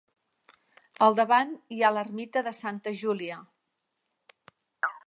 Al davant hi ha l'Ermita de Santa Júlia.